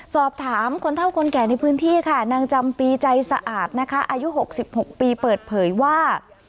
สอบถามคนเท่าคนแก่ในพื้นที่ค่ะนางจำปีใจสะอาดนะคะอายุ๖๖ปีเปิดเผยว่า